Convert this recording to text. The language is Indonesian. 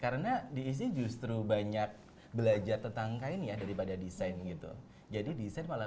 karena di isi justru banyak belajar tentang kain ya daripada desain gitu jadi saya malah